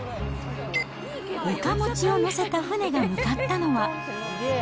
岡持ちを載せた船が向かったのは。